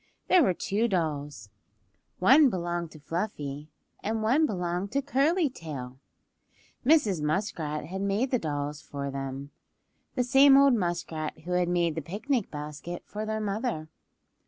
There were two dolls; one belonged to Fluffy, and one belonged to Curly Tail. Mrs. Muskrat had made the dolls for them;—the same old muskrat who had made the picnic basket for their mother.